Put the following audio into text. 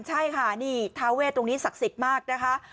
ใช่ค่ะทาเว่ทรงนี้ศักดิ์สิตมากนะคะ